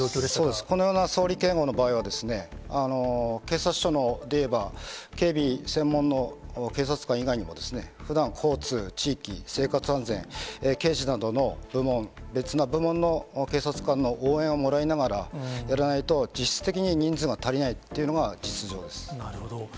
そうです、このような総理警護の場合は、警察署でいえば、警備専門の警察官以外にもですね、ふだん交通、地域、生活安全、刑事などの部門、別な部門の警察官の応援をもらいながらやらないと、実質的に人数が足りないといなるほど。